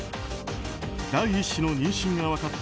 第１子の妊娠が分かった